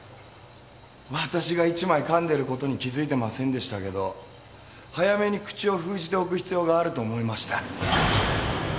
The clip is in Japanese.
私が一枚噛んでる事に気づいてませんでしたけど早めに口を封じておく必要があると思いました。